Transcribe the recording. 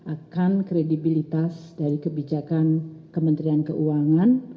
akan kredibilitas dari kebijakan kementerian keuangan